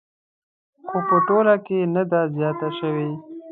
خو په ټوله کې نه ده زیاته شوې